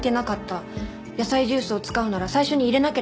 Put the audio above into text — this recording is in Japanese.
野菜ジュースを使うなら最初に入れなければならないのに。